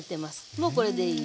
もうこれでいい。